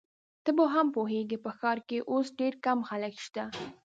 ته به هم پوهیږې، په ښار کي اوس ډېر کم خلک شته.